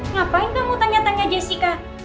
ngapain kamu tanya tanya jessica